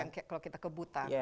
seperti kalau kita ke butan